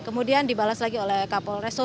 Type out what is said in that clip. kemudian dibalas lagi oleh kapolres jombang